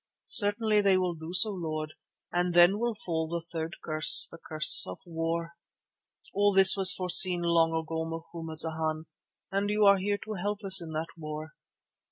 "Certainly they will do so, Lord, and then will fall the third curse, the curse of war. All this was foreseen long ago, Macumazana, and you are here to help us in that war.